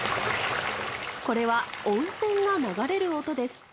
これは温泉が流れる音です。